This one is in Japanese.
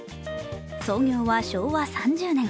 創業は昭和３０年。